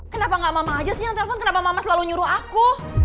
kenapa gak mama aja sih yang telpon kenapa mama selalu nyuruh aku